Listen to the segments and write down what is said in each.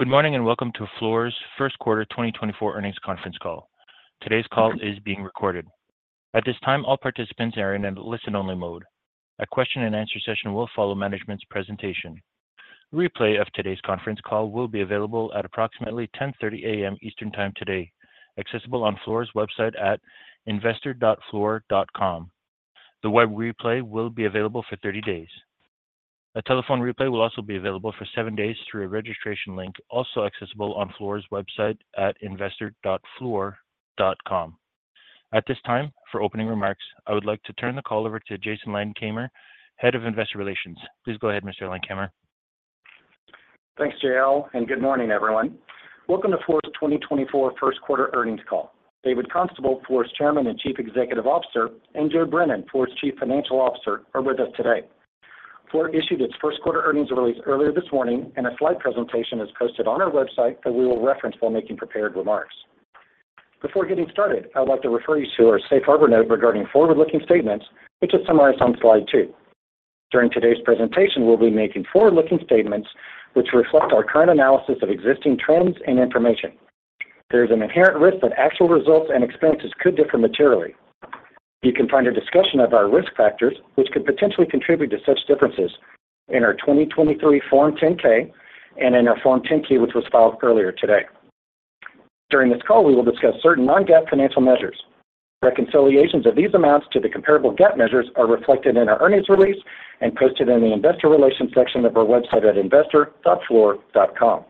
Good morning, and welcome to Fluor's first quarter 2024 earnings conference call. Today's call is being recorded. At this time, all participants are in a listen-only mode. A question and answer session will follow management's presentation. A replay of today's conference call will be available at approximately 10:30 A.M. Eastern Time today, accessible on Fluor's website at investor.fluor.com. The web replay will be available for 30 days. A telephone replay will also be available for seven days through a registration link, also accessible on Fluor's website at investor.fluor.com. At this time, for opening remarks, I would like to turn the call over to Jason Landkamer, Head of Investor Relations. Please go ahead, Mr. Landkamer. Thanks, JL, and good morning, everyone. Welcome to Fluor's 2024 first quarter earnings call. David Constable, Fluor's Chairman and Chief Executive Officer, and Joe Brennan, Fluor's Chief Financial Officer, are with us today. Fluor issued its first quarter earnings release earlier this morning, and a slide presentation is posted on our website that we will reference while making prepared remarks. Before getting started, I'd like to refer you to our Safe Harbor note regarding forward-looking statements, which is summarized on slide two. During today's presentation, we'll be making forward-looking statements which reflect our current analysis of existing trends and information. There is an inherent risk that actual results and expenses could differ materially. You can find a discussion of our risk factors, which could potentially contribute to such differences, in our 2023 Form 10-K and in our Form 10-K, which was filed earlier today. During this call, we will discuss certain non-GAAP financial measures. Reconciliations of these amounts to the comparable GAAP measures are reflected in our earnings release and posted in the Investor Relations section of our website at investor.fluor.com.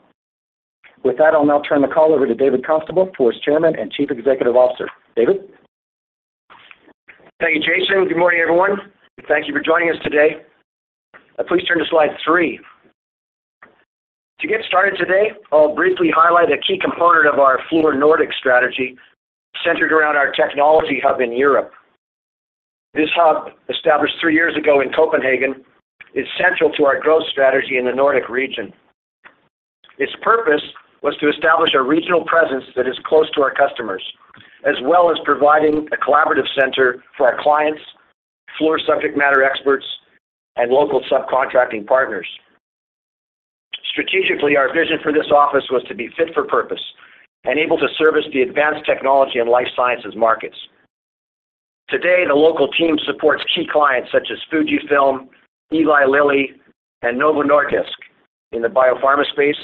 With that, I'll now turn the call over to David Constable, Fluor's Chairman and Chief Executive Officer. David? Thank you, Jason. Good morning, everyone. Thank you for joining us today. Please turn to slide three. To get started today, I'll briefly highlight a key component of our Fluor Nordic strategy, centered around our technology hub in Europe. This hub, established three years ago in Copenhagen, is central to our growth strategy in the Nordic region. Its purpose was to establish a regional presence that is close to our customers, as well as providing a collaborative center for our clients, Fluor subject matter experts, and local subcontracting partners. Strategically, our vision for this office was to be fit for purpose and able to service the advanced technology and life sciences markets. Today, the local team supports key clients such as Fujifilm, Eli Lilly, and Novo Nordisk in the biopharma space,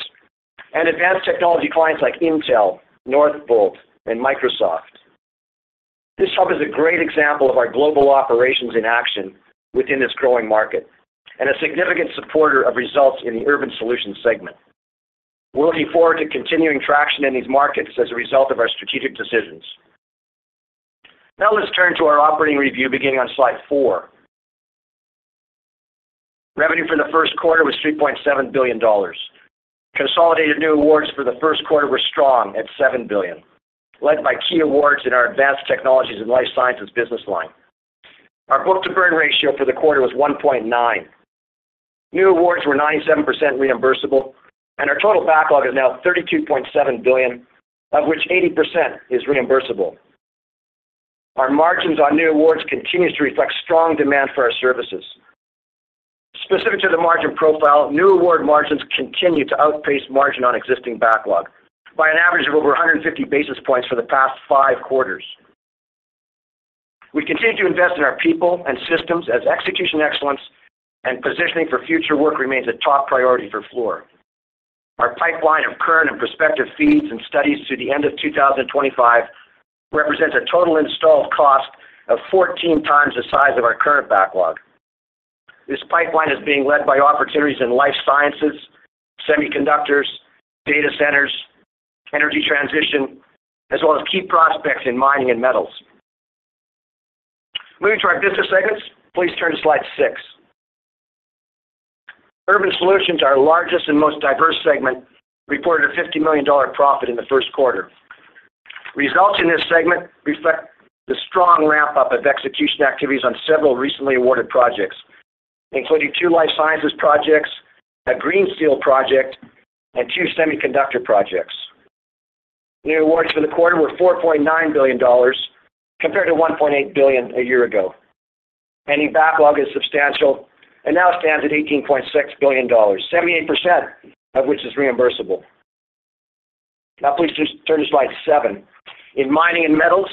and advanced technology clients like Intel, Northvolt, and Microsoft. This hub is a great example of our global operations in action within this growing market and a significant supporter of results in the Urban Solutions segment. We're looking forward to continuing traction in these markets as a result of our strategic decisions. Now, let's turn to our operating review, beginning on slide four. Revenue for the first quarter was $3.7 billion. Consolidated new awards for the first quarter were strong at $7 billion, led by key awards in our advanced technologies and life sciences business line. Our book-to-burn ratio for the quarter was 1.9%. New awards were 97% reimbursable, and our total backlog is now $32.7 billion, of which 80% is reimbursable. Our margins on new awards continues to reflect strong demand for our services. Specific to the margin profile, new award margins continue to outpace margin on existing backlog by an average of over 150 basis points for the past five quarters. We continue to invest in our people and systems as execution excellence and positioning for future work remains a top priority for Fluor. Our pipeline of current and prospective feeds and studies through the end of 2025 represents a total installed cost of 14 times the size of our current backlog. This pipeline is being led by opportunities in life sciences, semiconductors, data centers, energy transition, as well as key prospects in Mining & Metals. Moving to our business segments, please turn to slide six. Urban Solutions, our largest and most diverse segment, reported a $50 million profit in the first quarter. Results in this segment reflect the strong ramp-up of execution activities on several recently awarded projects, including two life sciences projects, a green steel project, and two semiconductor projects. New awards for the quarter were $4.9 billion, compared to $1.8 billion a year ago. Pending backlog is substantial and now stands at $18.6 billion, 78% of which is reimbursable. Now, please just turn to slide seven. In Mining & Metals,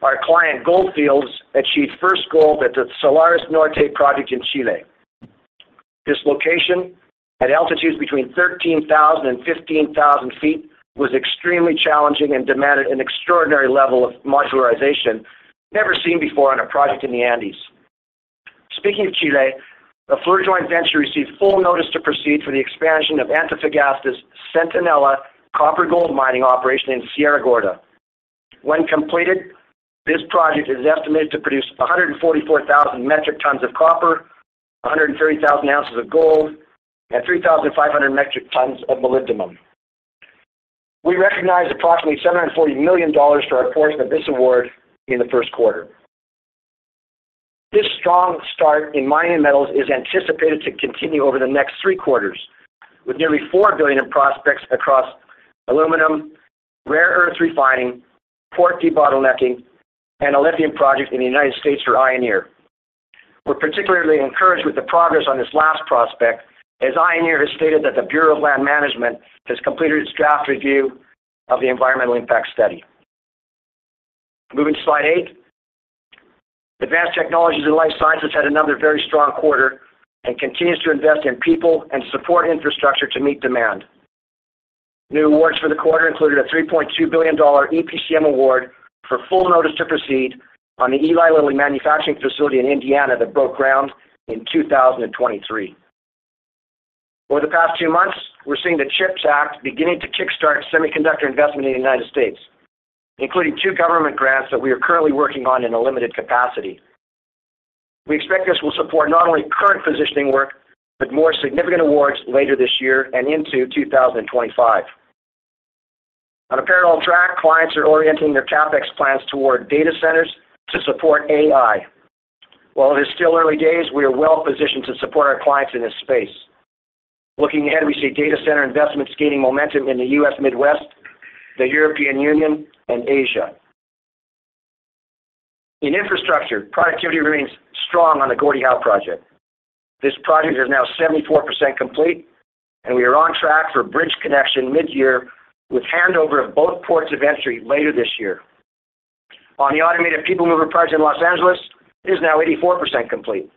our client, Gold Fields, achieved first gold at the Salares Norte project in Chile. This location, at altitudes between 13,000 feet and 15,000 feet, was extremely challenging and demanded an extraordinary level of modularization never seen before on a project in the Andes. Speaking of Chile, the Fluor joint venture received full notice to proceed for the expansion of Antofagasta's Centinela copper-gold mining operation in Sierra Gorda. When completed, this project is estimated to produce 144,000 metric tons of copper, 130,000 ounces of gold, and 3,500 metric tons of molybdenum. We recognized approximately $740 million for our portion of this award in the first quarter. This strong start in Mining & Metals is anticipated to continue over the next three quarters, with nearly $4 billion in prospects across aluminum, rare earth refining, port debottlenecking, and a lithium project in the United States for Ioneer.... We're particularly encouraged with the progress on this last prospect, as Ioneer has stated that the Bureau of Land Management has completed its draft review of the environmental impact study. Moving to slide eight. Advanced Technologies and Life Sciences had another very strong quarter and continues to invest in people and support infrastructure to meet demand. New awards for the quarter included a $3.2 billion EPCM award for full notice to proceed on the Eli Lilly manufacturing facility in Indiana that broke ground in 2023. Over the past two months, we're seeing the CHIPS Act beginning to kickstart semiconductor investment in the United States, including two government grants that we are currently working on in a limited capacity. We expect this will support not only current positioning work, but more significant awards later this year and into 2025. On a parallel track, clients are orienting their CapEx plans toward data centers to support AI. While it is still early days, we are well positioned to support our clients in this space. Looking ahead, we see data center investments gaining momentum in the U.S. Midwest, the European Union, and Asia. In infrastructure, productivity remains strong on the Gordie Howe project. This project is now 74% complete, and we are on track for bridge connection mid-year, with handover of both ports of entry later this year. On the Automated People Mover project in Los Angeles, it is now 84% complete.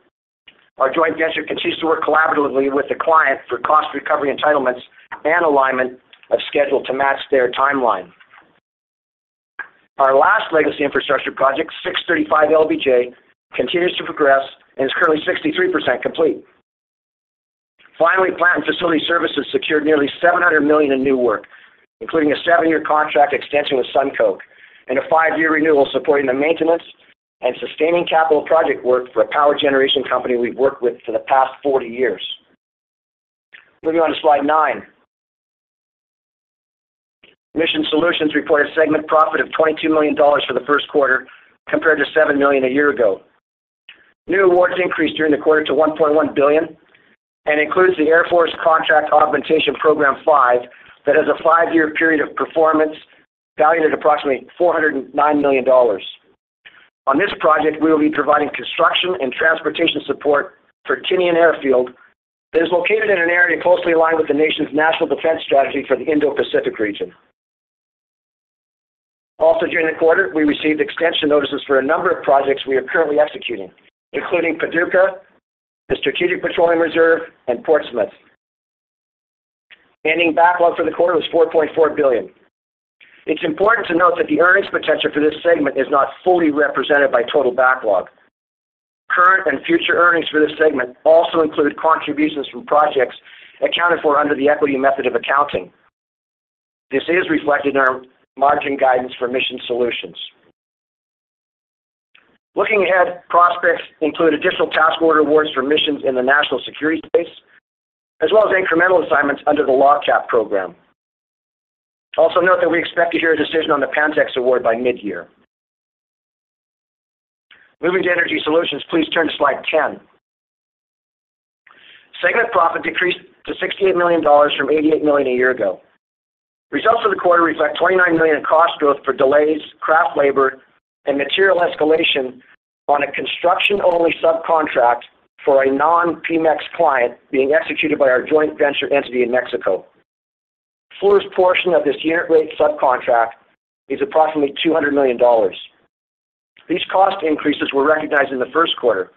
Our joint venture continues to work collaboratively with the client for cost recovery, entitlements, and alignment of schedule to match their timeline. Our last legacy infrastructure project, 635 LBJ, continues to progress and is currently 63% complete. Finally, Plant and Facility Services secured nearly $700 million in new work, including a seven-year contract extension with SunCoke and a five-year renewal supporting the maintenance and sustaining capital project work for a power generation company we've worked with for the past 40 years. Moving on to slide nine. Mission Solutions reported a segment profit of $22 million for the first quarter, compared to $7 million a year ago. New awards increased during the quarter to $1.1 billion, and includes the Air Force Contract Augmentation Program V, that has a five-year period of performance valued at approximately $409 million. On this project, we will be providing construction and transportation support for Tinian Airfield. It is located in an area closely aligned with the nation's national defense strategy for the Indo-Pacific region. Also, during the quarter, we received extension notices for a number of projects we are currently executing, including Paducah, the Strategic Petroleum Reserve, and Portsmouth. Ending backlog for the quarter was $4.4 billion. It's important to note that the earnings potential for this segment is not fully represented by total backlog. Current and future earnings for this segment also include contributions from projects accounted for under the equity method of accounting. This is reflected in our margin guidance for Mission Solutions. Looking ahead, prospects include additional task order awards for missions in the national security space, as well as incremental assignments under the LOGCAP program. Also note that we expect to hear a decision on the Pantex award by mid-year. Moving to Energy Solutions, please turn to slide 10. Segment profit decreased to $68 million from $88 million a year ago. Results for the quarter reflect $29 million in cost growth for delays, craft labor, and material escalation on a construction-only subcontract for a non-Pemex client being executed by our joint venture entity in Mexico. Fluor's portion of this unit rate subcontract is approximately $200 million. These cost increases were recognized in the first quarter.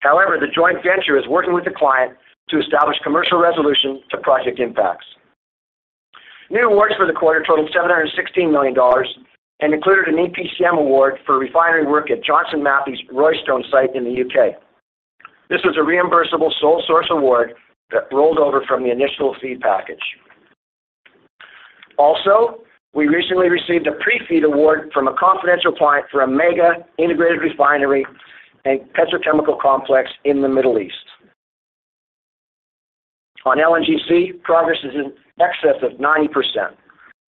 However, the joint venture is working with the client to establish commercial resolution to project impacts. New awards for the quarter totaled $716 million and included an EPCM award for refinery work at Johnson Matthey's Royston site in the UK. This was a reimbursable sole source award that rolled over from the initial feed package. Also, we recently received a pre-feed award from a confidential client for a mega integrated refinery and petrochemical complex in the Middle East. On LNG Canada, progress is in excess of 90%.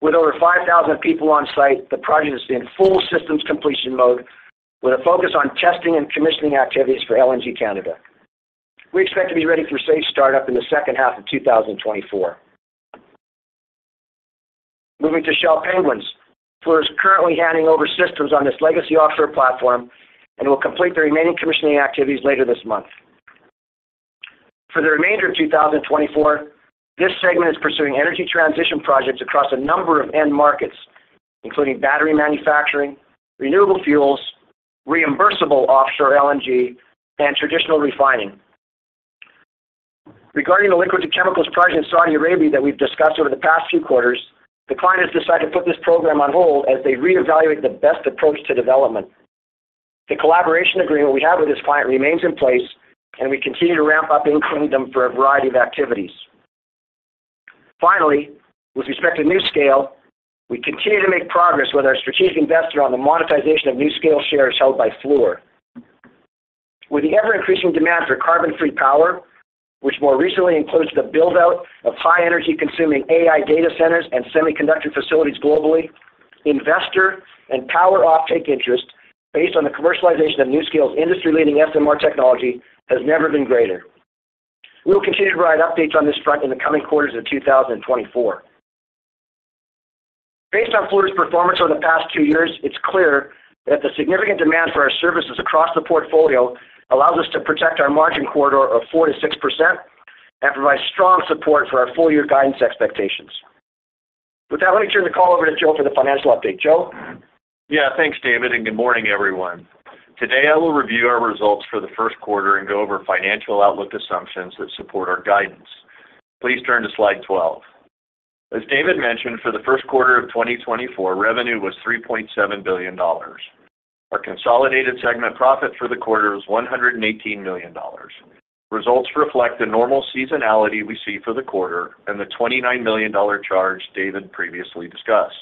With over 5,000 people on site, the project is in full systems completion mode, with a focus on testing and commissioning activities for LNG Canada. We expect to be ready for safe startup in the second half of 2024. Moving to Shell Penguins, Fluor is currently handing over systems on this legacy offshore platform and will complete the remaining commissioning activities later this month. For the remainder of 2024, this segment is pursuing energy transition projects across a number of end markets, including battery manufacturing, renewable fuels, reimbursable offshore LNG, and traditional refining. Regarding the Liquid to Chemicals project in Saudi Arabia that we've discussed over the past few quarters, the client has decided to put this program on hold as they reevaluate the best approach to development. The collaboration agreement we have with this client remains in place, and we continue to ramp up in-Kingdom for a variety of activities. Finally, with respect to NuScale, we continue to make progress with our strategic investor on the monetization of NuScale shares held by Fluor. With the ever-increasing demand for carbon-free power, which more recently includes the build-out of high energy-consuming AI data centers and semiconductor facilities globally, investor and power offtake interest based on the commercialization of NuScale's industry-leading SMR technology has never been greater. We will continue to provide updates on this front in the coming quarters of 2024. Based on Fluor's performance over the past two years, it's clear that the significant demand for our services across the portfolio allows us to protect our margin corridor of 4%-6% and provide strong support for our full-year guidance expectations. With that, let me turn the call over to Joe for the financial update. Joe? Yeah, thanks, David, and good morning, everyone. Today, I will review our results for the first quarter and go over financial outlook assumptions that support our guidance. Please turn to slide 12. As David mentioned, for the first quarter of 2024, revenue was $3.7 billion. Our consolidated segment profit for the quarter was $118 million. Results reflect the normal seasonality we see for the quarter and the $29 million charge David previously discussed.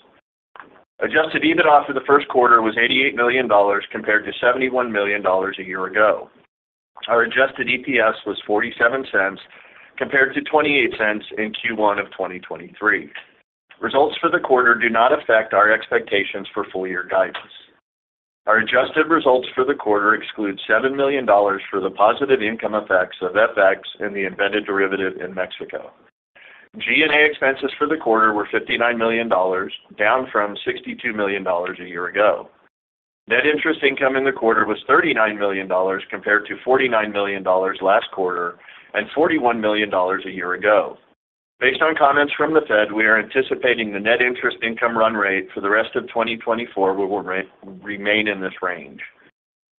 Adjusted EBITDA for the first quarter was $88 million, compared to $71 million a year ago. Our adjusted EPS was $0.47, compared to $0.28 in Q1 of 2023. Results for the quarter do not affect our expectations for full-year guidance. Our adjusted results for the quarter exclude $7 million for the positive income effects of FX and the embedded derivative in Mexico. G&A expenses for the quarter were $59 million, down from $62 million a year ago. Net interest income in the quarter was $39 million, compared to $49 million last quarter, and $41 million a year ago. Based on comments from the Fed, we are anticipating the net interest income run rate for the rest of 2024 will remain in this range.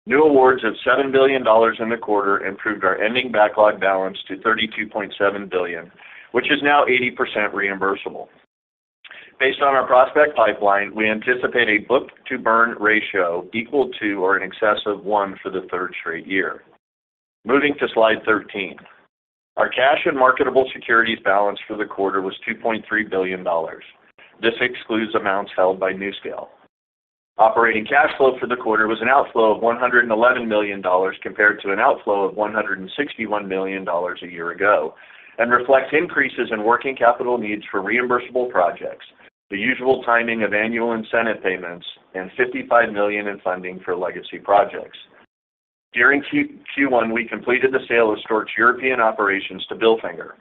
New awards of $7 billion in the quarter improved our ending backlog balance to $32.7 billion, which is now 80% reimbursable. Based on our prospect pipeline, we anticipate a book-to-burn ratio equal to or in excess of 1 for the third straight year. Moving to slide 13. Our cash and marketable securities balance for the quarter was $2.3 billion. This excludes amounts held by NuScale. Operating cash flow for the quarter was an outflow of $111 million, compared to an outflow of $161 million a year ago, and reflects increases in working capital needs for reimbursable projects, the usual timing of annual incentive payments, and $55 million in funding for legacy projects. During Q1, we completed the sale of Stork European operations to Bilfinger.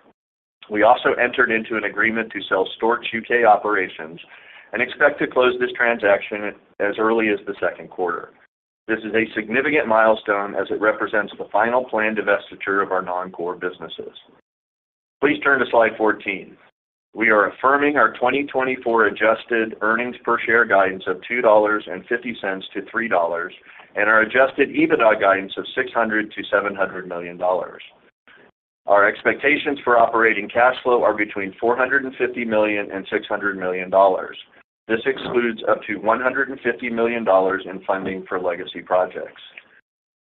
We also entered into an agreement to sell Stork UK operations and expect to close this transaction as early as the second quarter. This is a significant milestone as it represents the final planned divestiture of our non-core businesses. Please turn to slide 14. We are affirming our 2024 adjusted earnings per share guidance of $2.50-$3.00, and our adjusted EBITDA guidance of $600 million-$700 million. Our expectations for operating cash flow are between $450 million and $600 million. This excludes up to $150 million in funding for legacy projects.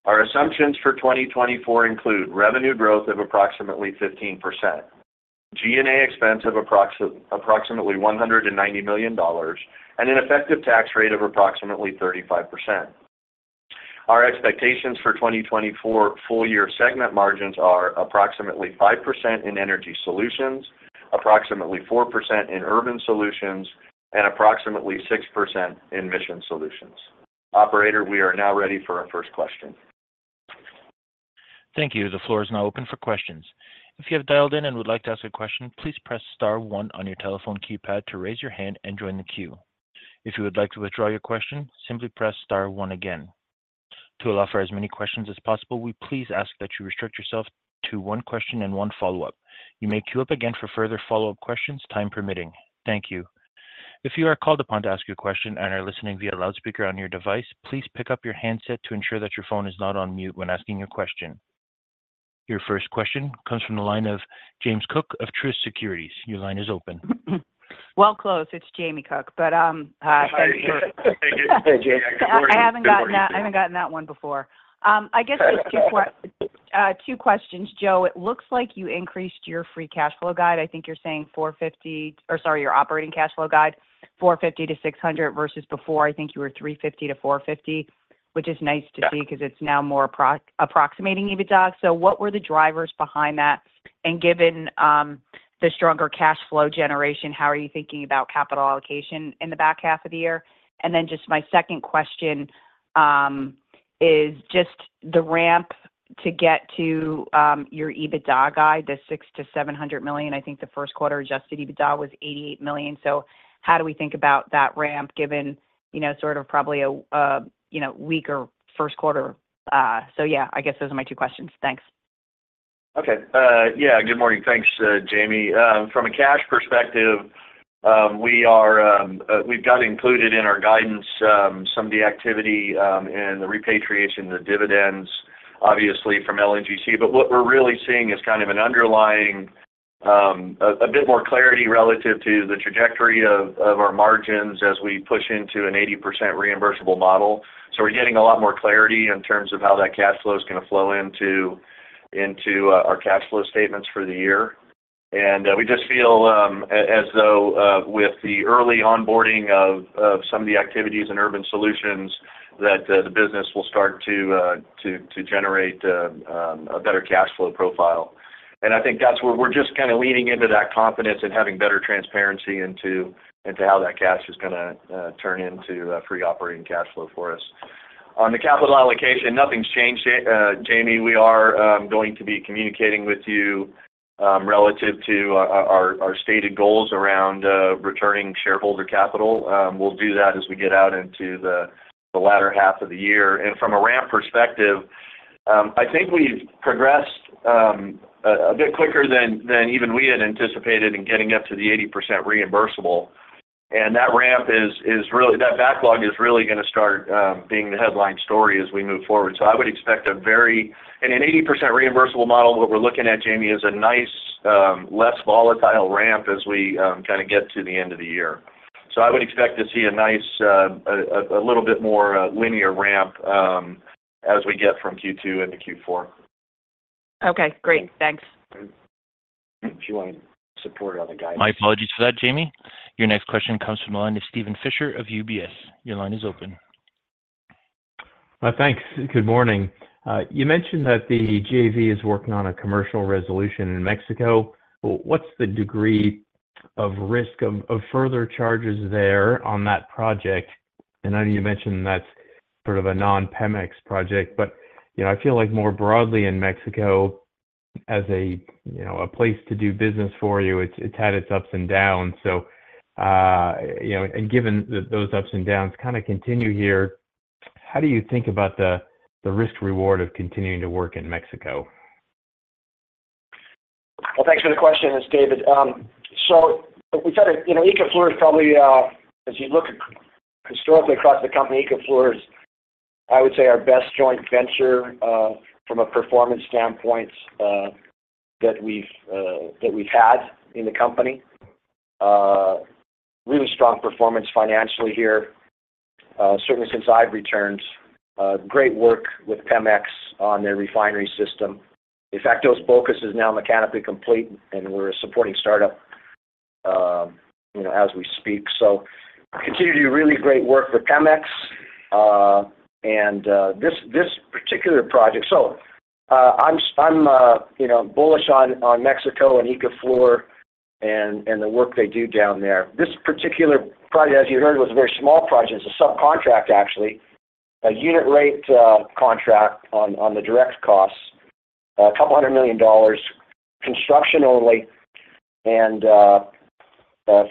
Our assumptions for 2024 include revenue growth of approximately 15%, G&A expense of approximately $190 million, and an effective tax rate of approximately 35%. Our expectations for 2024 full-year segment margins are approximately 5% in Energy Solutions, approximately 4% in Urban Solutions, and approximately 6% in Mission Solutions. Operator, we are now ready for our first question. Thank you. The floor is now open for questions. If you have dialed in and would like to ask a question, please press star one on your telephone keypad to raise your hand and join the queue. If you would like to withdraw your question, simply press star one again. To allow for as many questions as possible, we please ask that you restrict yourself to one question and one follow-up. You may queue up again for further follow-up questions, time permitting. Thank you. If you are called upon to ask your question and are listening via loudspeaker on your device, please pick up your handset to ensure that your phone is not on mute when asking your question. Your first question comes from the line of Jamie Cook of Truist Securities. Your line is open. Well, close. It's Jamie Cook, but, hi. Hey, Jamie. Good morning. I haven't gotten that one before. I guess just two questions, Joe. It looks like you increased your free cash flow guide. I think you're saying $450... or sorry, your operating cash flow guide, $450 million-$600 million, versus before I think you were $350 million-$450 million, which is nice to see- Yeah... because it's now more approximating EBITDA. So what were the drivers behind that, and given the stronger cash flow generation, how are you thinking about capital allocation in the back half of the year? And then just my second question is just the ramp to get to your EBITDA guide, the $600 million-$700 million. I think the first quarter, adjusted EBITDA was $88 million. So how do we think about that ramp given, you know, sort of probably a you know, weaker first quarter? So yeah, I guess those are my two questions. Thanks. Okay. Yeah, good morning. Thanks, Jamie. From a cash perspective, we are, we've got included in our guidance, some of the activity, and the repatriation, the dividends, obviously, from LNG Canada. But what we're really seeing is kind of an underlying, a bit more clarity relative to the trajectory of our margins as we push into an 80% reimbursable model. So we're getting a lot more clarity in terms of how that cash flow is gonna flow into our cash flow statements for the year. And we just feel, as though, with the early onboarding of some of the activities in Urban Solutions, that the business will start to generate a better cash flow profile. I think that's where we're just kind of leaning into that confidence and having better transparency into how that cash is gonna turn into free operating cash flow for us. On the capital allocation, nothing's changed, Jamie. We are going to be communicating with you relative to our stated goals around returning shareholder capital. We'll do that as we get out into the latter half of the year. From a ramp perspective, I think we've progressed a bit quicker than even we had anticipated in getting up to the 80% reimbursable. That ramp is really—that backlog is really gonna start being the headline story as we move forward. So I would expect—in an 80% reimbursable model, what we're looking at, Jamie, is a nice, less volatile ramp as we, kinda get to the end of the year. So I would expect to see a nice, a little bit more linear ramp as we get from Q2 into Q4. Okay, great. Thanks. If you want support on the guidance. My apologies for that, Jamie. Your next question comes from the line of Steven Fisher of UBS. Your line is open. Thanks, good morning. You mentioned that the JV is working on a commercial resolution in Mexico. Well, what's the degree of risk of further charges there on that project? I know you mentioned that's sort of a non-Pemex project, but, you know, I feel like more broadly in Mexico as a, you know, a place to do business for you, it's had its ups and downs. So, you know, and given that those ups and downs kinda continue here, how do you think about the risk reward of continuing to work in Mexico? Well, thanks for the question, it's David. So we said it, you know, ICA Fluor is probably, as you look historically across the company, ICA Fluor is, I would say, our best joint venture, from a performance standpoint, that we've, that we've had in the company. Really strong performance financially here, certainly since I've returned. Great work with Pemex on their refinery system. In fact, Dos Bocas is now mechanically complete, and we're supporting startup, you know, as we speak. So continue to do really great work with Pemex. And, this particular project... So, I'm, you know, bullish on, on Mexico and ICA Fluor and, the work they do down there. This particular project, as you heard, was a very small project. It's a subcontract, actually, a unit rate, contract on, the direct costs. A couple hundred million dollars, construction only, and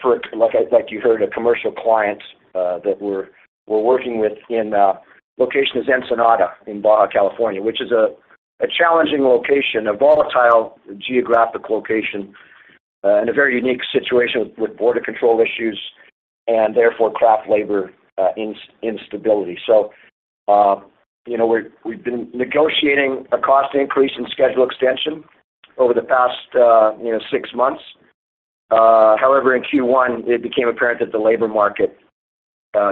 for, like you heard, a commercial client that we're working with in location is Ensenada in Baja California, which is a challenging location, a volatile geographic location, and a very unique situation with border control issues and therefore craft labor instability. So, you know, we've been negotiating a cost increase and schedule extension over the past, you know, six months. However, in Q1, it became apparent that the labor market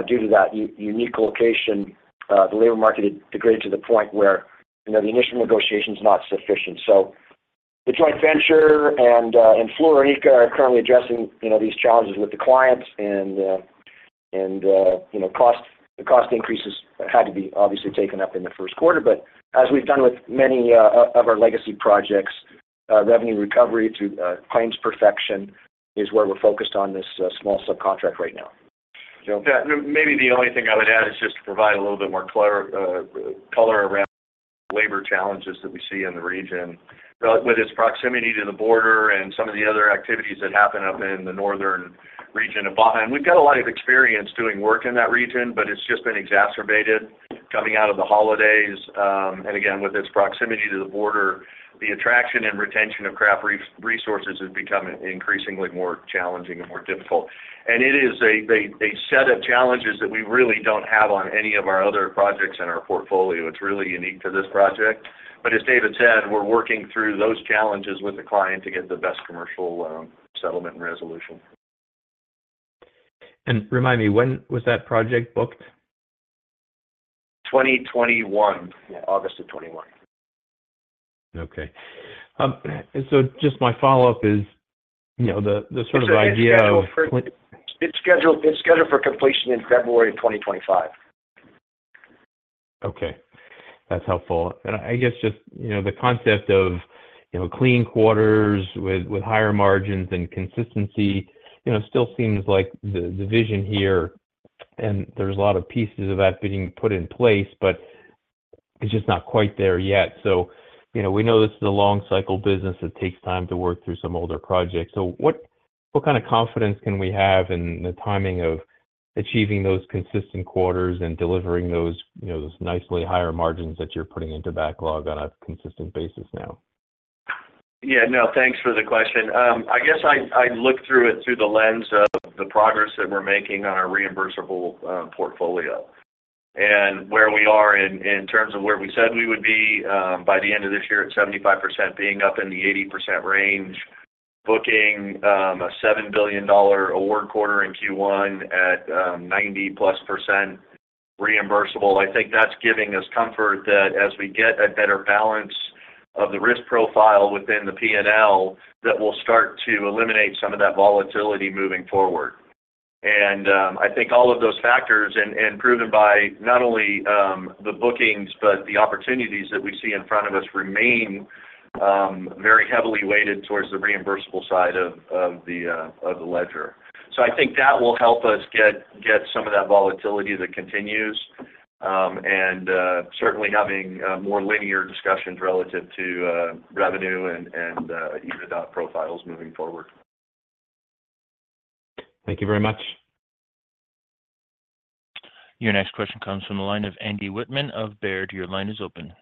due to that unique location, the labor market had degraded to the point where, you know, the initial negotiation is not sufficient. So the joint venture and Fluor and ICA are currently addressing, you know, these challenges with the clients and, you know, cost increases had to be obviously taken up in the first quarter, but as we've done with many of our legacy projects, revenue recovery to claims perfection is where we're focused on this small subcontract right now. Yeah, maybe the only thing I would add is just to provide a little bit more color around labor challenges that we see in the region. With its proximity to the border and some of the other activities that happen up in the northern region of Baja, and we've got a lot of experience doing work in that region, but it's just been exacerbated coming out of the holidays. And again, with its proximity to the border, the attraction and retention of craft resources has become increasingly more challenging and more difficult. And it is a, a, a set of challenges that we really don't have on any of our other projects in our portfolio. It's really unique to this project, but as David said, we're working through those challenges with the client to get the best commercial settlement and resolution. Remind me, when was that project booked? 2021. Yeah, August of 2021. Okay. And so just my follow-up is, you know, the sort of idea of- It's scheduled for completion in February 2025. Okay. That's helpful. And I guess just, you know, the concept of, you know, clean quarters with, with higher margins and consistency, you know, still seems like the, the vision here, and there's a lot of pieces of that being put in place, but it's just not quite there yet. So, you know, we know this is a long cycle business. It takes time to work through some older projects. So what, what kind of confidence can we have in the timing of achieving those consistent quarters and delivering those, you know, those nicely higher margins that you're putting into backlog on a consistent basis now? Yeah, no, thanks for the question. I guess I'd, I'd look through it through the lens of the progress that we're making on our reimbursable portfolio and where we are in terms of where we said we would be by the end of this year at 75%, being up in the 80% range, booking a $7 billion award quarter in Q1 at 90%+ reimbursable. I think that's giving us comfort that as we get a better balance of the risk profile within the P&L, that will start to eliminate some of that volatility moving forward. And I think all of those factors and proven by not only the bookings, but the opportunities that we see in front of us remain very heavily weighted towards the reimbursable side of the ledger. So I think that will help us get some of that volatility that continues. And certainly having more linear discussions relative to revenue and even adopt profiles moving forward. Thank you very much. Your next question comes from the line of Andy Whitman of Baird. Your line is open.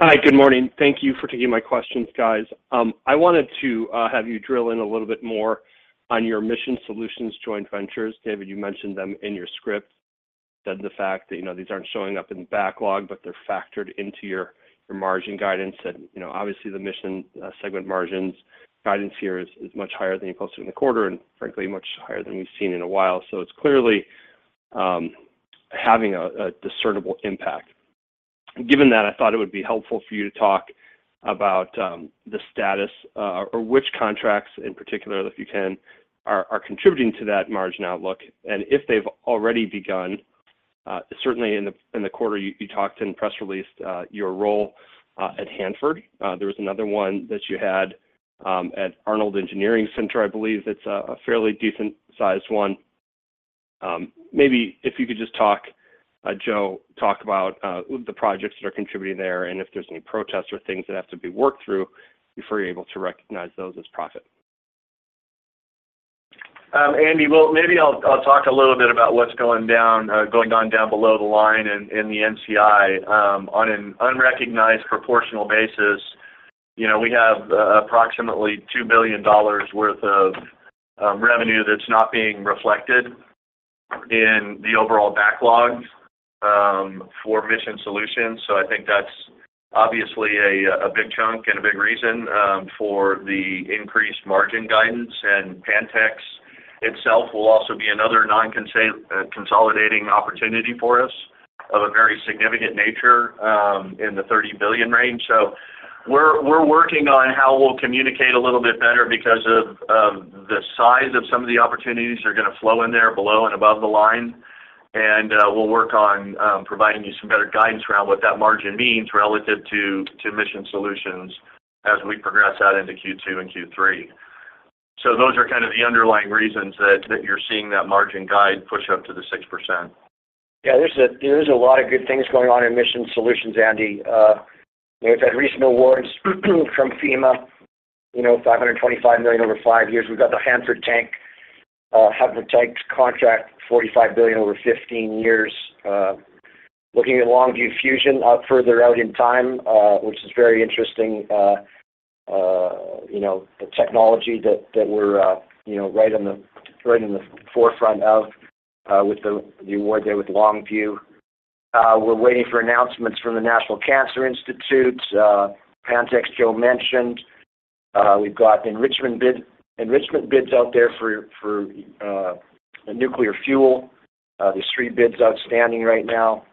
Hi, good morning. Thank you for taking my questions, guys. I wanted to have you drill in a little bit more on your Mission Solutions joint ventures. David, you mentioned them in your script, said the fact that, you know, these aren't showing up in the backlog, but they're factored into your, your margin guidance. And, you know, obviously, the Mission segment margins guidance here is, is much higher than you posted in the quarter, and frankly, much higher than we've seen in a while. So it's clearly having a discernible impact. Given that, I thought it would be helpful for you to talk about the status or which contracts in particular, if you can, are contributing to that margin outlook, and if they've already begun. Certainly in the quarter, you talked in the press release about your role at Hanford. There was another one that you had at Arnold Engineering Center. I believe that's a fairly decent sized one. Maybe if you could just talk, Joe, talk about the projects that are contributing there, and if there's any protests or things that have to be worked through before you're able to recognize those as profit? Andy, well, maybe I'll talk a little bit about what's going down, going on down below the line in the NCI. On an unrecognized proportional basis, you know, we have approximately $2 billion worth of revenue that's not being reflected in the overall backlog for Mission Solutions. So I think that's obviously a big chunk and a big reason for the increased margin guidance. And Pantex itself will also be another consolidating opportunity for us of a very significant nature in the $30 billion range. So we're working on how we'll communicate a little bit better because of the size of some of the opportunities that are gonna flow in there below and above the line. We'll work on providing you some better guidance around what that margin means relative to Mission Solutions as we progress out into Q2 and Q3. Those are kind of the underlying reasons that you're seeing that margin guide push up to the 6%. Yeah, there's a lot of good things going on in Mission Solutions, Andy. We've had recent awards from FEMA, you know, $525 million over five years. We've got the Hanford Tank, Hanford Tanks contract, $45 billion over 15 years. Looking at Longview Fusion out further out in time, which is very interesting, you know, the technology that we're right in the forefront of, with the award there with Longview. We're waiting for announcements from the National Cancer Institute, Pantex, Joe mentioned. We've got enrichment bids out there for nuclear fuel. There's three bids outstanding right now.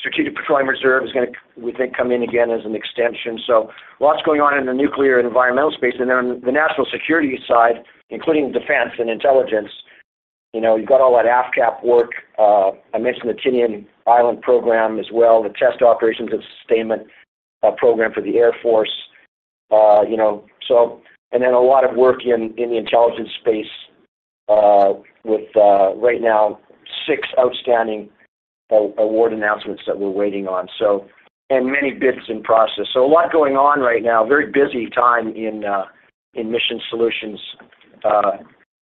Strategic Petroleum Reserve is gonna, we think, come in again as an extension. So lots going on in the nuclear and environmental space. And then on the national security side, including defense and intelligence, you know, you've got all that AFCAP work. I mentioned the Tinian Island program as well, the Test Operations and Sustainment program for the Air Force. You know, so... And then a lot of work in the intelligence space, with right now, six outstanding award announcements that we're waiting on, so, and many bids in process. So a lot going on right now. Very busy time in Mission Solutions,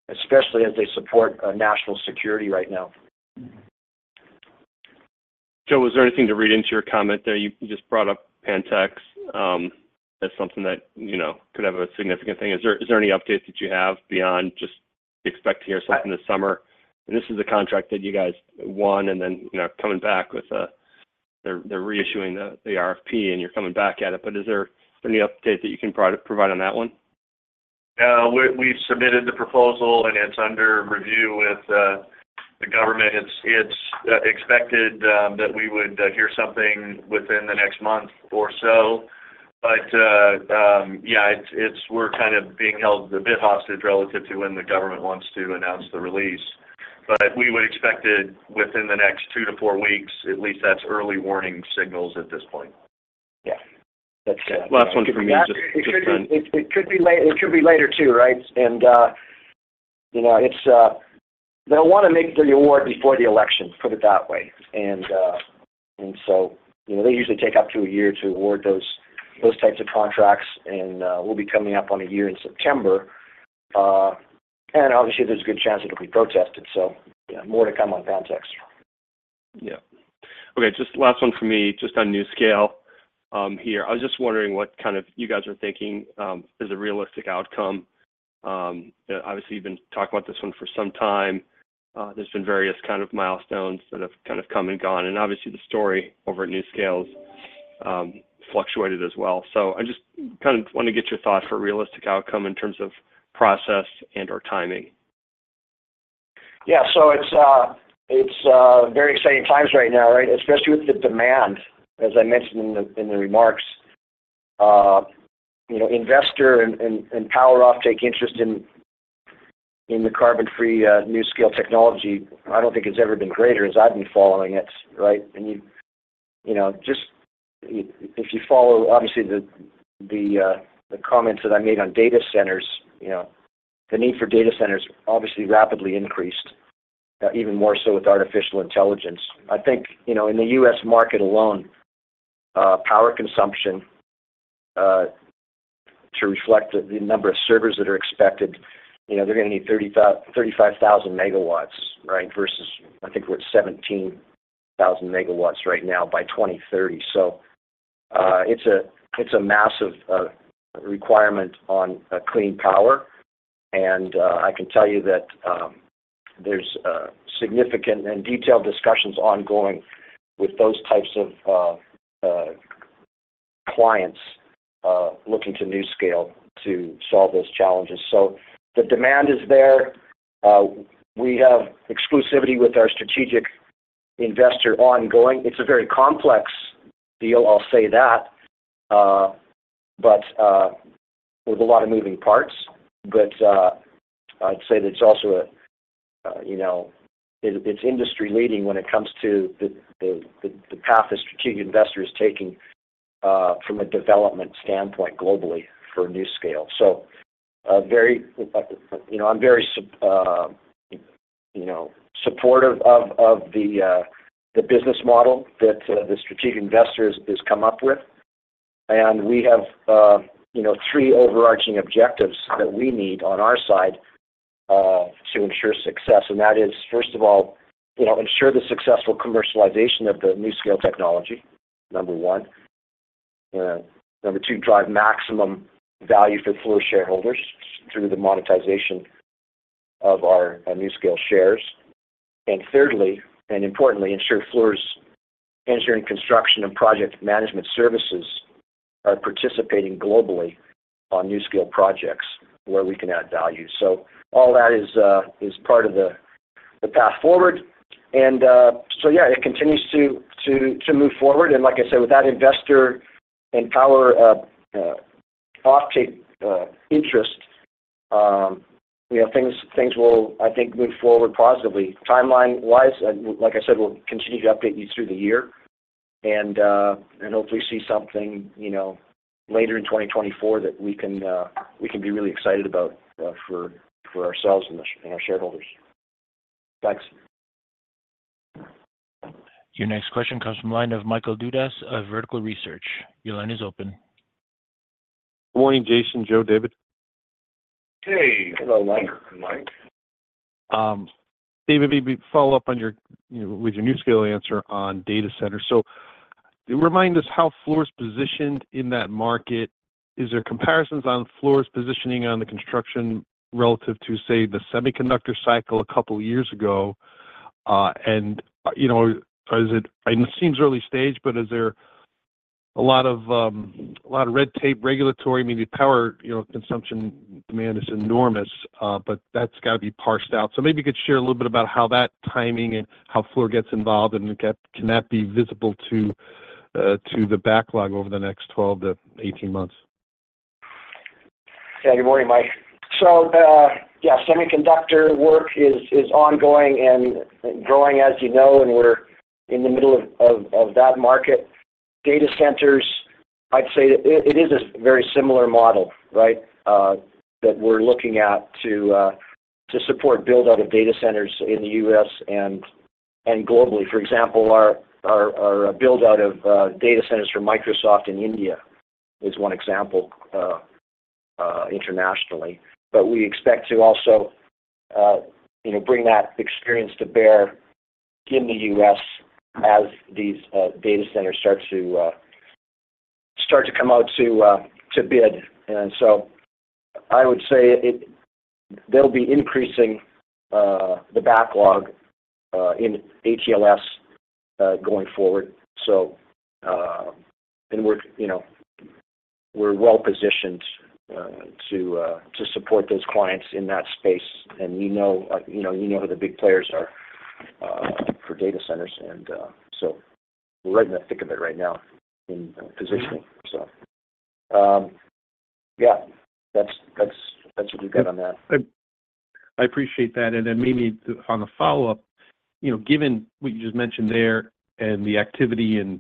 especially as they support national security right now. Joe, was there anything to read into your comment there? You just brought up Pantex as something that, you know, could have a significant thing. Is there any updates that you have beyond just expect to hear something this summer? And this is a contract that you guys won and then, you know, coming back with, they're reissuing the RFP, and you're coming back at it. But is there any update that you can provide on that one? We've submitted the proposal and it's under review with the government. It's expected that we would hear something within the next month or so. But we're kind of being held a bit hostage relative to when the government wants to announce the release. But we would expect it within the next two to four weeks, at least that's early warning signals at this point. Yeah. That's, Last one for me, just- It could be later, too, right? And you know, it's they'll wanna make the award before the election, put it that way. And so, you know, they usually take up to a year to award those types of contracts, and we'll be coming up on a year in September. And obviously, there's a good chance it'll be protested, so yeah, more to come on Pantex. Yeah. Okay, just last one for me, just on NuScale here. I was just wondering what kind of you guys are thinking is a realistic outcome. Obviously, you've been talking about this one for some time. There's been various kind of milestones that have kind of come and gone, and obviously, the story over at NuScale fluctuated as well. So I just kind of wanna get your thoughts for a realistic outcome in terms of process and/or timing. Yeah. So it's very exciting times right now, right? Especially with the demand, as I mentioned in the remarks. You know, investor and power offtake interest in the carbon-free NuScale technology, I don't think it's ever been greater as I've been following it, right? And you know, just if you follow, obviously, the comments that I made on data centers, you know, the need for data centers obviously rapidly increased, even more so with artificial intelligence. I think, you know, in the U.S. market alone, power consumption to reflect the number of servers that are expected, you know, they're gonna need 35,000 megawatts, right? Versus, I think we're at 17,000 megawatts right now by 2030. So, it's a massive requirement on clean power, and I can tell you that, there's significant and detailed discussions ongoing with those types of clients looking to NuScale to solve those challenges. So the demand is there. We have exclusivity with our strategic investor ongoing. It's a very complex deal, I'll say that, but with a lot of moving parts. But I'd say that it's also a, you know, it, it's industry-leading when it comes to the path the strategic investor is taking from a development standpoint globally for NuScale. So a very, you know, I'm very sup- you know, supportive of the business model that the strategic investor has come up with. We have, you know, three overarching objectives that we need on our side, to ensure success, and that is, first of all, you know, ensure the successful commercialization of the NuScale technology, number one. Number two, drive maximum value for Fluor shareholders through the monetization of our, NuScale shares. And thirdly, and importantly, ensure Fluor's engineering, construction, and project management services are participating globally on NuScale projects where we can add value. So all that is part of the path forward. And, so yeah, it continues to move forward, and like I said, with that investor and power off-take interest, you know, things will, I think, move forward positively. Timeline-wise, like I said, we'll continue to update you through the year, and hopefully see something, you know, later in 2024 that we can be really excited about, for ourselves and our shareholders. Thanks. Your next question comes from the line of Michael Dudas of Vertical Research. Your line is open. Good morning, Jason, Joe, David. Hey. Hello, Mike, Mike. David, maybe follow up on your, you know, with your NuScale answer on data center. So remind us how Fluor's positioned in that market. Is there comparisons on Fluor's positioning on the construction relative to, say, the semiconductor cycle a couple of years ago? And, you know, is it—and it seems early stage, but is there a lot of, a lot of red tape, regulatory, maybe power, you know, consumption demand is enormous, but that's got to be parsed out. So maybe you could share a little bit about how that timing and how Fluor gets involved, and again, can that be visible to, to the backlog over the next 12-18 months? Yeah, good morning, Mike. So, yeah, semiconductor work is ongoing and growing, as you know, and we're in the middle of that market. Data centers, I'd say it is a very similar model, right, that we're looking at to support build-out of data centers in the U.S. and globally. For example, our build-out of data centers for Microsoft in India is one example, internationally. But we expect to also, you know, bring that experience to bear in the U.S. as these data centers start to come out to bid. And so I would say they'll be increasing the backlog in HELS going forward. So, and we're, you know, we're well-positioned to support those clients in that space, and we know, you know, you know who the big players are for data centers. So, we're right in the thick of it right now in positioning. So, yeah, that's, that's, that's what we've got on that. I appreciate that. And then maybe on the follow-up, you know, given what you just mentioned there and the activity and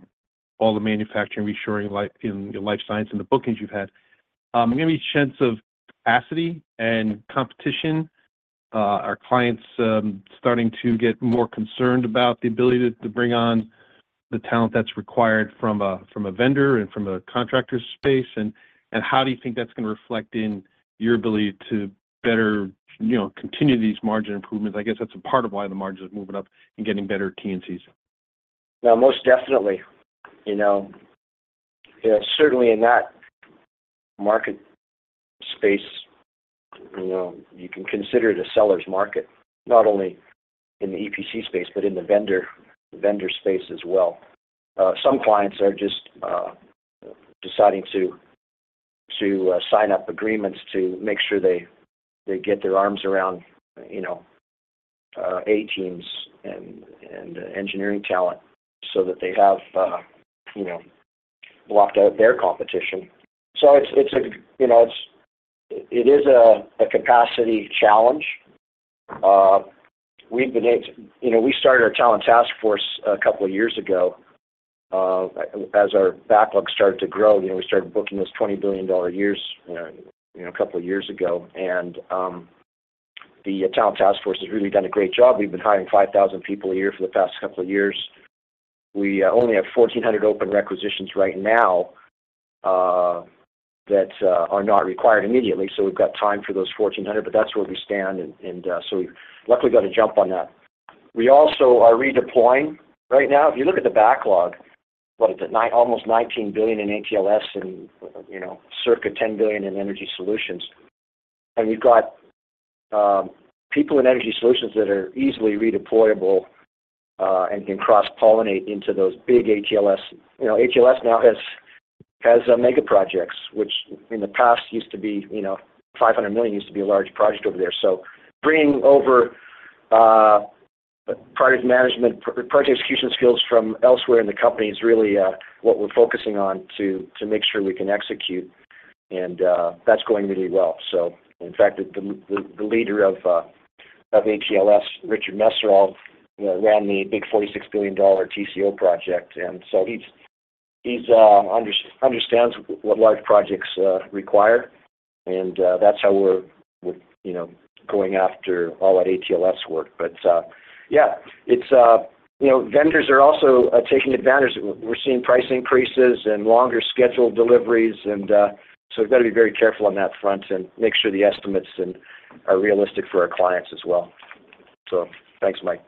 all the manufacturing reshoring, like in your life science and the bookings you've had, give me a sense of capacity and competition. Are clients starting to get more concerned about the ability to bring on the talent that's required from a vendor and from a contractor space, and how do you think that's gonna reflect in your ability to better, you know, continue these margin improvements? I guess that's a part of why the margins are moving up and getting better T&Cs. Yeah, most definitely. You know, certainly in that market space, you know, you can consider it a seller's market, not only in the EPC space, but in the vendor space as well. Some clients are just deciding to sign up agreements to make sure they get their arms around, you know, A-teams and engineering talent so that they have, you know, blocked out their competition. So it's a capacity challenge. We've been able to. You know, we started our talent task force a couple of years ago as our backlog started to grow. You know, we started booking this $20 billion-dollar years a couple of years ago. And the talent task force has really done a great job. We've been hiring 5,000 people a year for the past couple of years. We only have 1,400 open requisitions right now that are not required immediately, so we've got time for those 1,400, but that's where we stand. And so we've luckily got a jump on that. We also are redeploying. Right now, if you look at the backlog, what is it? Almost $19 billion in ATLS and, you know, circa $10 billion in Energy Solutions. And we've got people in Energy Solutions that are easily redeployable and can cross-pollinate into those big ATLS. You know, ATLS now has mega projects, which in the past used to be, you know, $500 million used to be a large project over there. So bringing over project management, project execution skills from elsewhere in the company is really what we're focusing on to make sure we can execute, and that's going really well. So in fact, the leader of ATLS, Richard Meserole, ran the big $46 billion TCO project, and so he's understands what large projects require, and that's how we're, you know, going after all that ATLS work. But yeah, it's... You know, vendors are also taking advantage. We're seeing price increases and longer scheduled deliveries, and so we've got to be very careful on that front and make sure the estimates and are realistic for our clients as well. So thanks, Mike.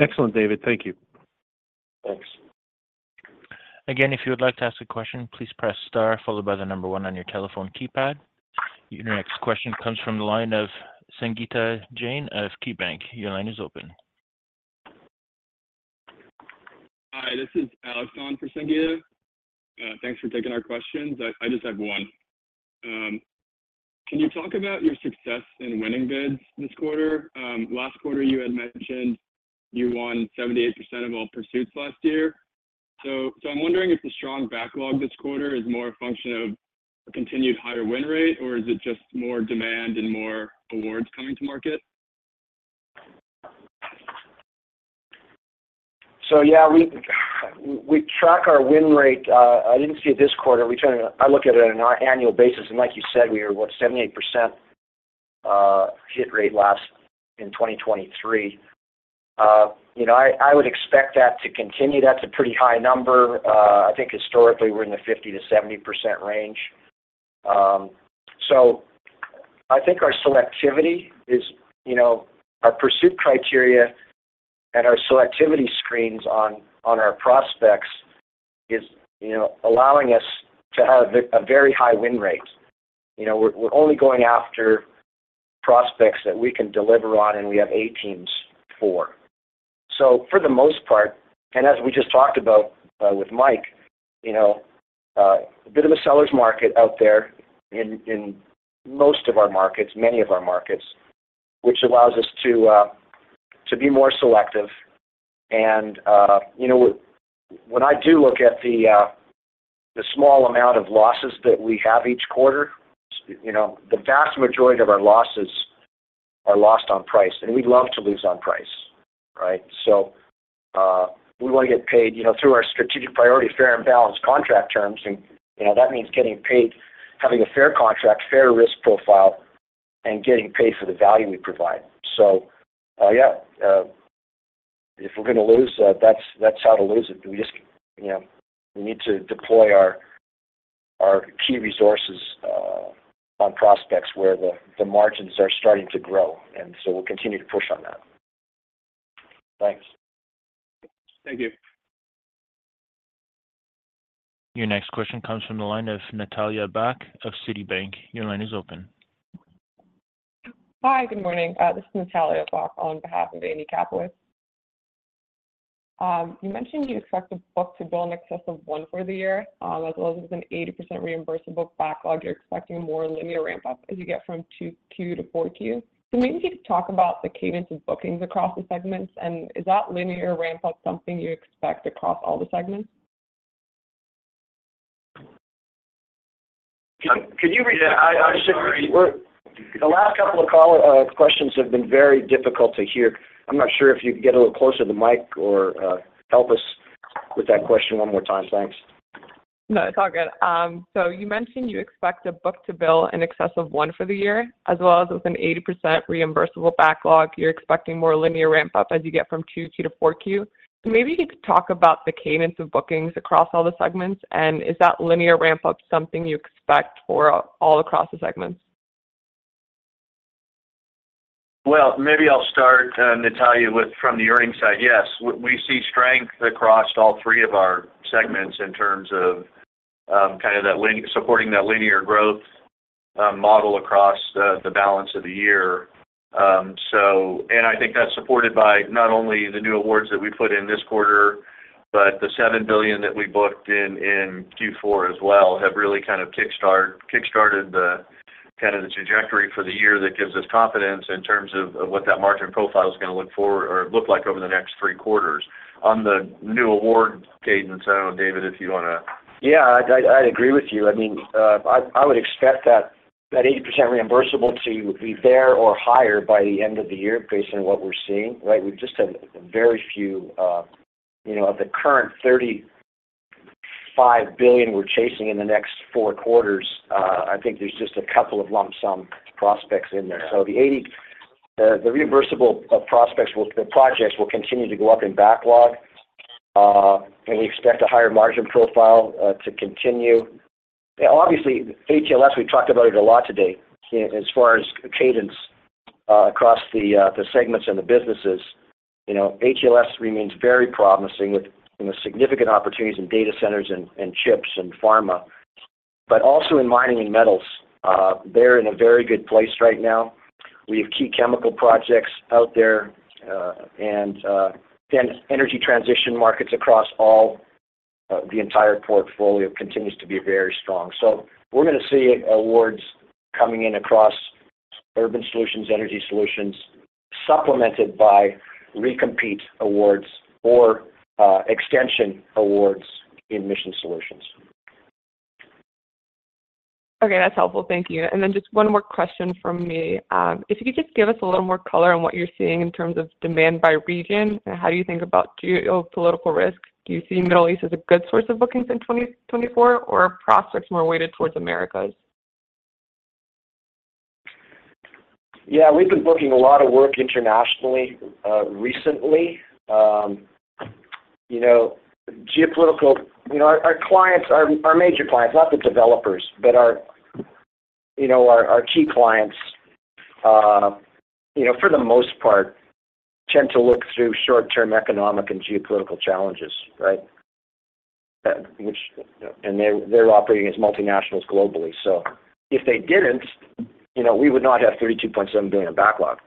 Excellent, David. Thank you. Thanks. Again, if you would like to ask a question, please press star followed by the number 1 on your telephone keypad. Your next question comes from the line of Sangita Jain of KeyBanc. Your line is open. Hi, this is Alex on for Sangita. Thanks for taking our questions. I just have one. Can you talk about your success in winning bids this quarter? Last quarter, you had mentioned you won 78% of all pursuits last year. So, I'm wondering if the strong backlog this quarter is more a function of a continued higher win rate, or is it just more demand and more awards coming to market? Yeah, we track our win rate. I didn't see it this quarter. I look at it on an annual basis, and like you said, we were, what? 78% hit rate in 2023. You know, I would expect that to continue. That's a pretty high number. I think historically, we're in the 50%-70% range. So I think our selectivity is, you know, our pursuit criteria and our selectivity screens on our prospects is, you know, allowing us to have a very high win rate. You know, we're only going after prospects that we can deliver on and we have A teams for. So for the most part, and as we just talked about, with Mike, you know, a bit of a seller's market out there in most of our markets, many of our markets, which allows us to be more selective. And, you know, when I do look at the small amount of losses that we have each quarter, you know, the vast majority of our losses are lost on price, and we'd love to lose on price, right? So, we want to get paid, you know, through our strategic priority, fair and balanced contract terms, and, you know, that means getting paid, having a fair contract, fair risk profile, and getting paid for the value we provide. So, yeah, if we're gonna lose, that's how to lose it. We just, you know, we need to deploy our key resources on prospects where the margins are starting to grow, and so we'll continue to push on that. Thanks. Thank you. Your next question comes from the line of Natalia Bak of Citibank. Your line is open. Hi, good morning. This is Natalia Bak on behalf of Andy Kaplowitz. You mentioned you expect the book-to-burn in excess of one for the year, as well as an 80% reimbursable backlog. You're expecting more linear ramp-up as you get from 2Q to 4Q. So maybe you could talk about the cadence of bookings across the segments, and is that linear ramp-up something you expect across all the segments? Can you read that? I'm sorry. The last couple of calls' questions have been very difficult to hear. I'm not sure if you could get a little closer to the mic or help us with that question one more time. Thanks. No, it's all good. So you mentioned you expect a book-to-burn in excess of 1 for the year, as well as with an 80% reimbursable backlog. You're expecting more linear ramp-up as you get from 2Q to 4Q. So maybe you could talk about the cadence of bookings across all the segments, and is that linear ramp-up something you expect for all across the segments? Well, maybe I'll start, Natalia, with from the earnings side. Yes, we see strength across all three of our segments in terms of, kind of that supporting that linear growth model across the balance of the year. So, and I think that's supported by not only the new awards that we put in this quarter but the $7 billion that we booked in Q4 as well, have really kind of kick-started the trajectory for the year. That gives us confidence in terms of what that margin profile is going to look like over the next three quarters. On the new award cadence, I don't know, David, if you want to- Yeah, I'd agree with you. I mean, I would expect that 80% reimbursable to be there or higher by the end of the year based on what we're seeing, right? We've just had very few, you know, of the current $35 billion we're chasing in the next four quarters. I think there's just a couple of lump sum prospects in there. So the reimbursable prospects, the projects will continue to go up in backlog, and we expect a higher margin profile to continue. Obviously, HLS, we've talked about it a lot today, as far as cadence across the segments and the businesses. You know, HLS remains very promising with, you know, significant opportunities in data centers and chips and pharma, but also in Mining & Metals. They're in a very good place right now. We have key chemical projects out there, and then energy transition markets across all of the entire portfolio continues to be very strong. So we're going to see awards coming in across Urban Solutions, Energy Solutions, supplemented by recompete awards or, extension awards in Mission Solutions. Okay, that's helpful. Thank you. Just one more question from me. If you could just give us a little more color on what you're seeing in terms of demand by region, and how do you think about geopolitical risk? Do you see Middle East as a good source of bookings in 2024, or are prospects more weighted towards Americas? Yeah, we've been booking a lot of work internationally, recently. You know, geopolitical—you know, our clients, our major clients, not the developers, but our, you know, our key clients, you know, for the most part, tend to look through short-term economic and geopolitical challenges, right? Which... And they're operating as multinationals globally. So if they didn't, you know, we would not have $32.7 billion in backlog,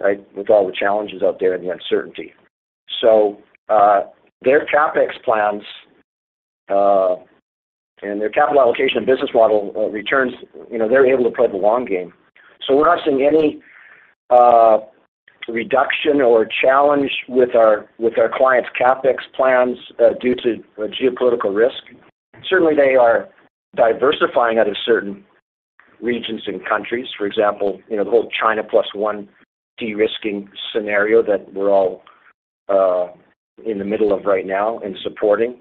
right? With all the challenges out there and the uncertainty. So, their CapEx plans, and their capital allocation and business model, returns, you know, they're able to play the long game. So we're not seeing any reduction or challenge with our clients' CapEx plans due to geopolitical risk. Certainly, they are diversifying out of certain regions and countries. For example, you know, the whole China Plus One de-risking scenario that we're all, in the middle of right now and supporting.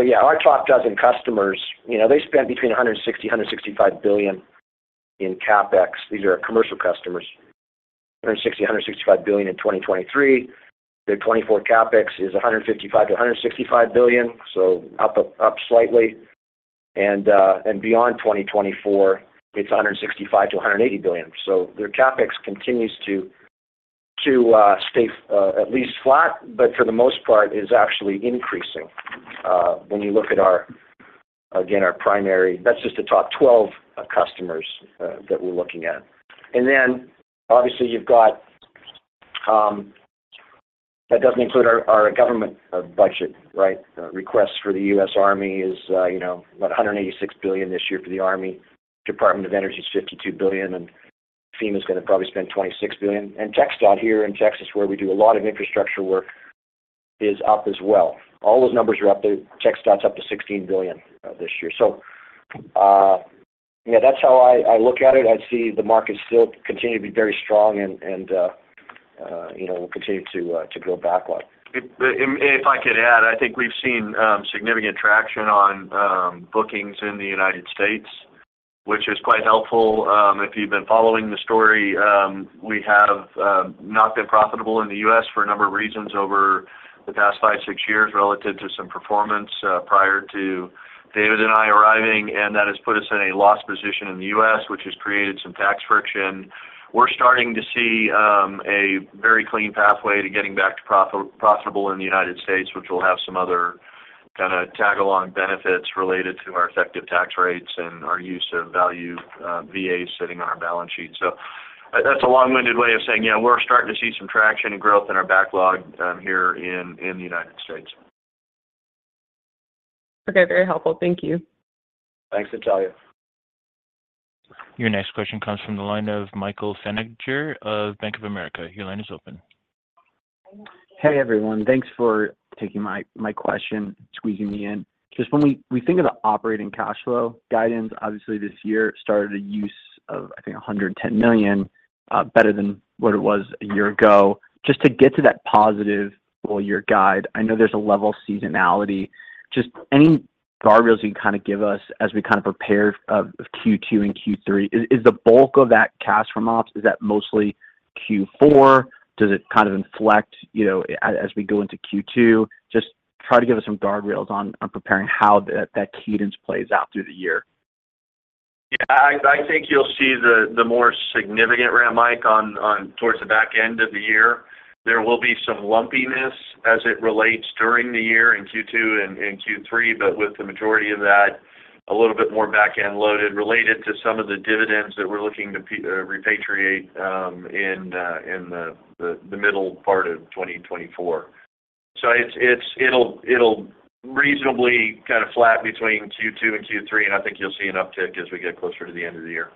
But yeah, our top dozen customers, you know, they spend between $160 billion-$165 billion in CapEx. These are our commercial customers. $160 billion-$165 billion in 2023. Their 2024 CapEx is $155 billion-$165 billion, so up, up, up slightly. And, and beyond 2024, it's $165 billion-$180 billion. So their CapEx continues to, to, stay, at least flat, but for the most part, is actually increasing. When you look at our, again, our primary... That's just the top 12 customers, that we're looking at. And then, obviously, you've got... That doesn't include our government budget, right? Requests for the U.S. Army is, you know, about $186 billion this year for the Army. Department of Energy is $52 billion, and FEMA is going to probably spend $26 billion. TxDOT here in Texas, where we do a lot of infrastructure work, is up as well. All those numbers are up. The TxDOT's up to $16 billion this year. So, yeah, that's how I look at it. I see the market still continue to be very strong and, you know, we'll continue to build backlog. If I could add, I think we've seen significant traction on bookings in the United States, which is quite helpful. If you've been following the story, we have not been profitable in the US for a number of reasons over the past five, six years, relative to some performance prior to David and I arriving, and that has put us in a loss position in the US, which has created some tax friction. We're starting to see a very clean pathway to getting back to profitable in the United States, which will have some other kind of tag-along benefits related to our effective tax rates and our use of value VAs sitting on our balance sheet. That's a long-winded way of saying, yeah, we're starting to see some traction and growth in our backlog here in the United States. Okay, very helpful. Thank you. Thanks, Natalia. Your next question comes from the line of Michael Feniger of Bank of America. Your line is open. Hey, everyone. Thanks for taking my question, squeezing me in. Just when we think of the operating cash flow guidance, obviously, this year started a use of $110 million, better than what it was a year ago. Just to get to that positive full year guide, I know there's a level seasonality. Just any guardrails you can kind of give us as we kind of prepare for Q2 and Q3? Is the bulk of that cash from ops, is that mostly Q4? Does it kind of inflect, you know, as we go into Q2? Just try to give us some guardrails on preparing how that cadence plays out through the year. Yeah, I think you'll see the more significant ramp, Mike, on towards the back end of the year. There will be some lumpiness as it relates during the year in Q2 and Q3, but with the majority of that a little bit more back-end loaded related to some of the dividends that we're looking to repatriate in the middle part of 2024. So it's-- it'll reasonably kind of flat between Q2 and Q3, and I think you'll see an uptick as we get closer to the end of the year.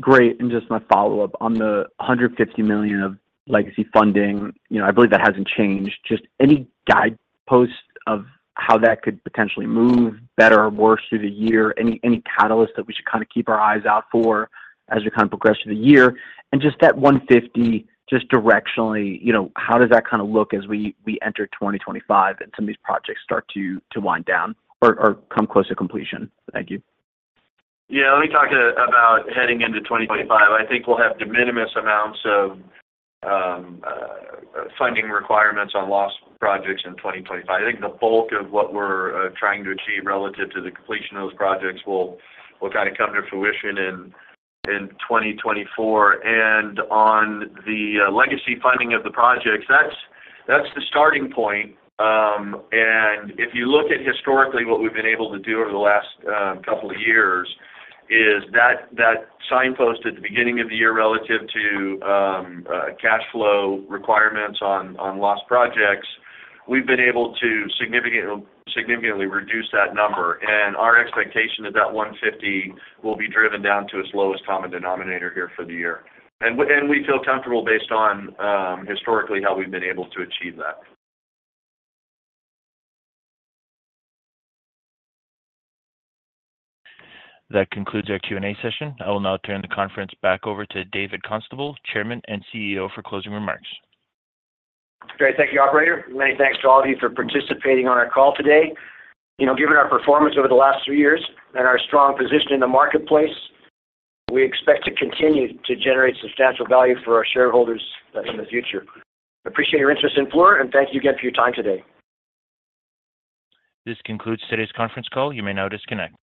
Great. And just my follow-up on the $150 million of legacy funding, you know, I believe that hasn't changed. Just any guideposts of how that could potentially move better or worse through the year? Any, any catalyst that we should kind of keep our eyes out for as we kind of progress through the year? And just that 150, just directionally, you know, how does that kind of look as we, we enter 2025 and some of these projects start to, to wind down or, or come close to completion? Thank you. Yeah. Let me talk about heading into 2025. I think we'll have de minimis amounts of funding requirements on legacy projects in 2025. I think the bulk of what we're trying to achieve relative to the completion of those projects will kind of come to fruition in 2024. And on the legacy funding of the projects, that's the starting point. And if you look at historically, what we've been able to do over the last couple of years, is that signpost at the beginning of the year relative to cash flow requirements on legacy projects, we've been able to significantly reduce that number, and our expectation is that $150 million will be driven down to its lowest common denominator here for the year. And we feel comfortable based on, historically, how we've been able to achieve that. That concludes our Q&A session. I will now turn the conference back over to David Constable, Chairman and CEO, for closing remarks. Great. Thank you, operator. Many thanks to all of you for participating on our call today. You know, given our performance over the last three years and our strong position in the marketplace, we expect to continue to generate substantial value for our shareholders, in the future. Appreciate your interest in Fluor, and thank you again for your time today. This concludes today's conference call. You may now disconnect.